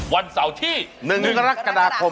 วันเสาร์ที่๑กรกฎาคม